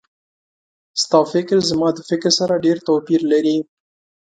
ستا فکر زما د فکر سره ډېر توپیر لري